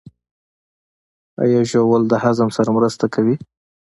ایا ژوول د هضم سره مرسته کوي؟